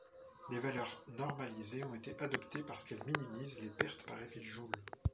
Les valeurs normalisées ont été adoptées parce qu'elles minimisent les pertes par effet Joule.